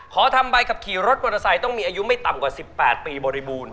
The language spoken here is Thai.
ขอทำใบขับขี่รถมอเตอร์ไซค์ต้องมีอายุไม่ต่ำกว่า๑๘ปีบริบูรณ